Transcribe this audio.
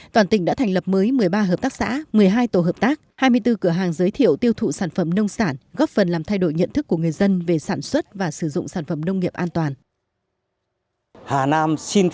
toàn tỉnh đã thành lập mới một mươi ba hợp tác xã một mươi hai tổ hợp tác hai mươi bốn cửa hàng giới thiệu tiêu thụ sản phẩm nông sản góp phần làm thay đổi nhận thức của người dân về sản xuất và sử dụng sản phẩm nông nghiệp an toàn